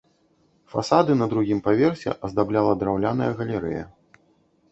Фасады на другім паверсе аздабляла драўляная галерэя.